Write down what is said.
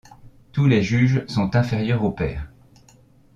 Tous les juges sont inférieurs aux pairs.